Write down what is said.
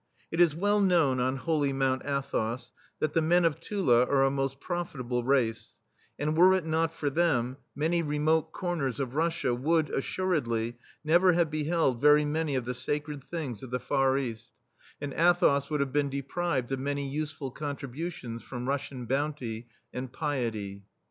It is well known on holy Mount Athos that the men of Tula are a most profitable race, and were it not for them, many re mote corners of Russia would, assur edly, never have beheld very many of the sacred things of the Far East, and THE STEEL FLEA Athos would have been deprived of many useful contributions from Rus sian bounty and piety.